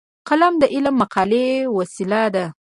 قلم د علمي مقالې وسیله ده